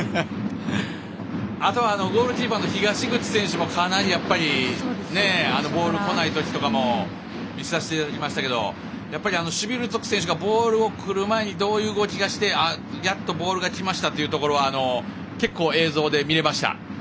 あとゴールキーパーの東口選手もかなりボールがこないときとかも見させていただきましたがやっぱりシュヴィルツォク選手がボールがくる前にどういう動きをしてやっとボールがきましたというところは結構映像で見れました。